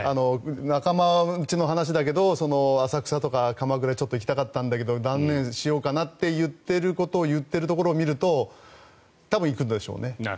仲間内の話だけど浅草とか鎌倉にちょっと行きたかったんだけど断念しようかなと言っているところを見ると多分、行くんでしょうね。